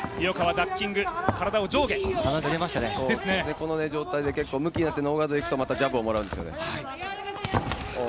この状態でむきになってノーガードでいくとジャブもらうんですよね。